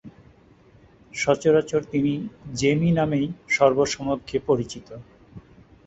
সচরাচর তিনি "জেমি" নামেই সর্বসমক্ষে পরিচিত।